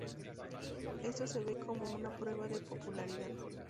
Esto se ve como una prueba de popularidad.